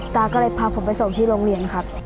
ตาก็เลยพาผมไปส่งที่โรงเรียนครับ